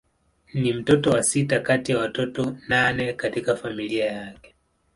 Ni mtoto wa sita kati ya watoto nane katika familia yake.